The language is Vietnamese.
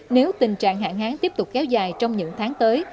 nếu tình trạng hạn hán tiếp tục kéo dài trong những tháng tới